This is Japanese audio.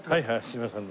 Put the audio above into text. すいません。